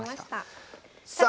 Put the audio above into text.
さあ。